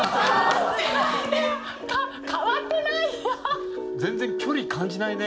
変わってないね。